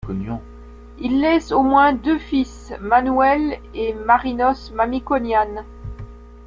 Il laisse au moins deux fils, Manouel et Marinos Mamikonian.